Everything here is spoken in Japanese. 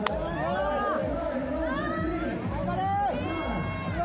頑張れ！